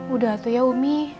udah tuh ya umi